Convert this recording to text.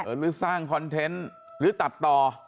หรือสร้างคอนเทนต์หรือตัดต่อ